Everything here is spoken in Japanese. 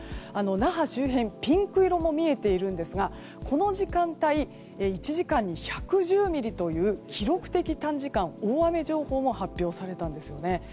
那覇周辺はピンク色も見えていますがこの時間帯１時間に１１０ミリという記録的短時間大雨情報も発表されたんですね。